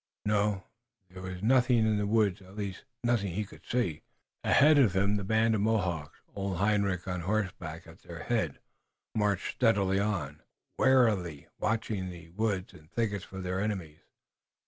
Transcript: No, there was nothing in the woods, at least, nothing that he could see. Ahead of him the band of Mohawks, old Hendrik on horseback at their head, marched steadily on, warily watching the woods and thickets for their enemies.